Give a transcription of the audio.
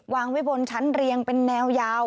วางไว้บนชั้นเรียงเป็นแนวยาว